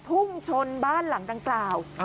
พุ่งชนบ้านหลังดังกล่าว